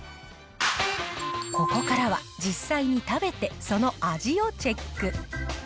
ここからは実際に食べて、その味をチェック。